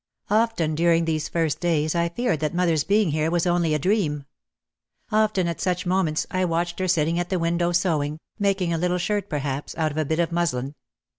Often during these first days I feared that mother's being here was only a dream. Often at such moments I watched her sitting at the window sewing, making a little shirt perhaps, out of a bit of muslin.